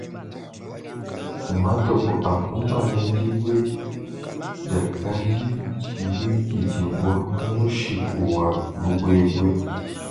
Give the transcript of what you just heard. Matuku a kumpala, dibue diakadi dibuikidibua ku mushiku wa lubuebue.